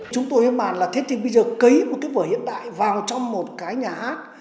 chúng tôi hứa màn là thế thì bây giờ cấy một cái vở hiện đại vào trong một cái nhà hát